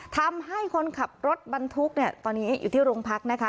ทำให้คนขับรถบรรทุกเนี่ยตอนนี้อยู่ที่โรงพักนะคะ